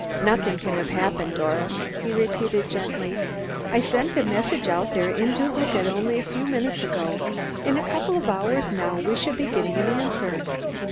"Nothing can have happened, Doris," he repeated gently. "I sent a message out there in duplicate only a few minutes ago. In a couple of hours, now, we shall be getting an answer.